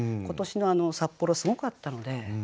今年の札幌すごかったので。